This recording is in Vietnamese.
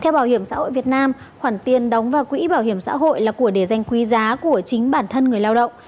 theo bảo hiểm xã hội việt nam khoản tiền đóng vào quỹ bảo hiểm xã hội là của đề danh quý giá của chính bản thân người lao động